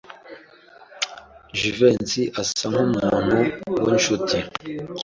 Jivency asa nkumuntu winshuti.